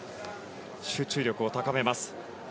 集中力を高めます。